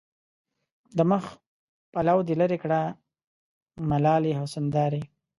د مخ پلو دې لېري کړه ملالې حسن دارې